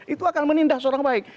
itu akan menindas orang baik